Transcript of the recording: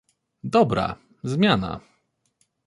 Dobra, zmiana